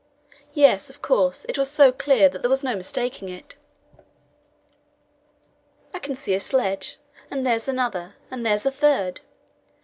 Yes, of course, it was so clear that there was no mistaking it. "I can see a sledge and there's another and there's a third."